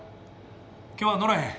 今日はのらへん。